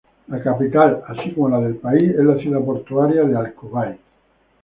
La capital, así como la del país es la ciudad portuaria de Al Kuwait.